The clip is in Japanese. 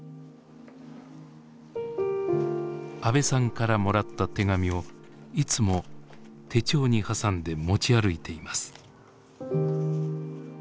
阿部さんからもらった手紙をいつも手帳に挟んで持ち歩いています。